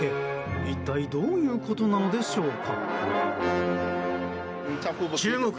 一体どういうことなのでしょうか。